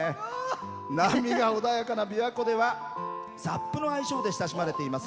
波が穏やかな琵琶湖ではＳＵＰの愛称で親しまれています